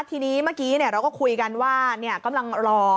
ที่นี้เราก็คุยกันว่ากำลังรอ